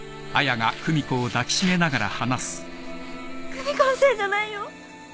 久美子のせいじゃないよ！